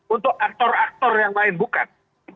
untuk aktor aktor yang lain bukan